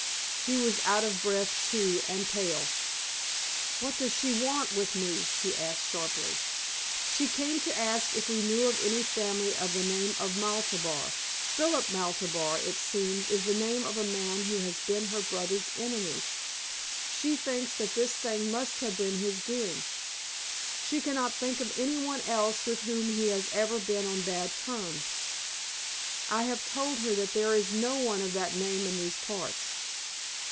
He was out of breath, too, and pale. "What does she want with me?" he asked, sharply. "She came to ask if we knew of any family of the name of Maltabar. Philip Maltabar, it seems, is the name of a man who has been her brother's enemy. She thinks that this thing must have been his doing. She cannot think of any one else with whom he has ever been on bad terms. I have told her that there is no one of that name in these parts."